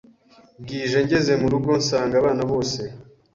bwije ngeze mu rugo nsanga abana bose